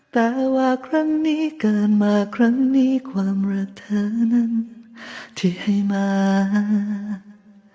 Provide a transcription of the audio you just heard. แต่ว่าครั้งนี้เกิดมาครั้งนี้ความรักเธอนั้นที่ให้มา